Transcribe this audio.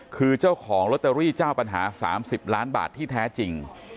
คือเจ้าของลอตเตอรี่เจ้าปัญหา๓๐ล้านบาทที่แท้จริง